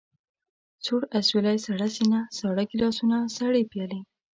سوړ اسوېلی، سړه سينه، ساړه ګيلاسونه، سړې پيالې.